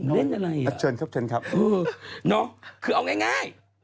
ลูกเล่นอะไรอะคือเอาง่าย